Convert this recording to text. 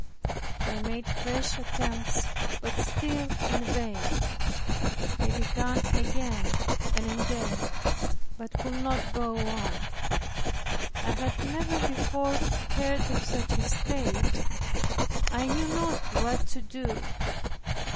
I made fresh attempts but still in vain. I began again and again, but could not go on. I had never before heard of such a state, I knew not what to do.